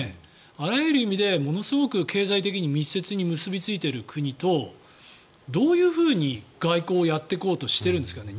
あらゆる意味でものすごく経済的に密接に結びついている国とどういうふうに外交をやっていこうとしているんですかね。